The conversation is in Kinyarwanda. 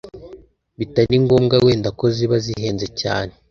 bitari ngombwa wenda ko ziba zihenze cyane,